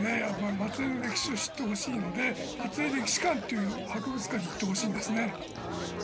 松江の歴史を知ってほしいので松江歴史館という博物館に行ってほしいんですね。